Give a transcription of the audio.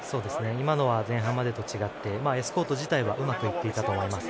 今のは前半までと違ってエスコート自体はうまくいっていたと思います。